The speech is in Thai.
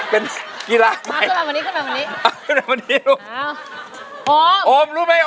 เป็นกีฬะใหม่คือแบบนี้มาขึ้นแบบนี้